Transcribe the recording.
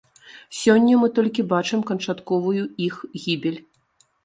Сёння мы толькі бачым канчатковую іх гібель.